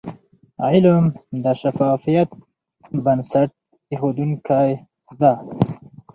علم د شفافیت بنسټ ایښودونکی د.